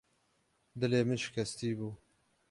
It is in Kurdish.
Dilê min şikestî bû.